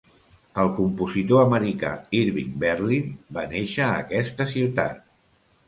El compositor americà Irving Berlin va néixer a aquesta ciutat.